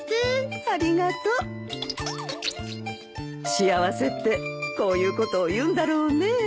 幸せってこういうことを言うんだろうねえ。